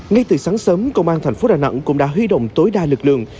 ngay từ sáng sớm công an thành phố đà nẵng cũng đã huy động tối đa lực lượng